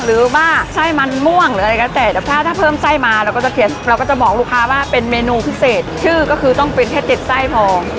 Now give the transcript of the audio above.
หรือว่าไส้มันม่วงหรืออะไรก็แต่แต่ถ้าถ้าเพิ่มไส้มาเราก็จะเราก็จะบอกลูกค้าว่าเป็นเมนูพิเศษชื่อก็คือต้องเป็นแค่เจ็ดไส้พอ